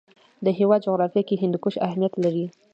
د هېواد جغرافیه کې هندوکش اهمیت لري.